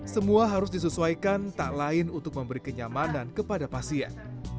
semua harus disesuaikan tak lain untuk memberi kenyamanan kepada pasien